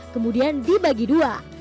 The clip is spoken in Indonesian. kemudian dibagi dua